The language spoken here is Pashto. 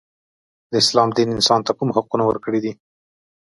د اسلام دین انسان ته کوم حقونه ورکړي دي.